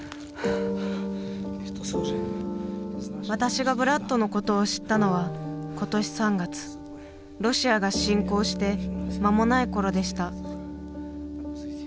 私がブラッドのことを知ったのは今年３月ロシアが侵攻して間もない頃でした。